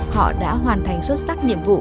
họ đã hoàn thành xuất sắc nhiệm vụ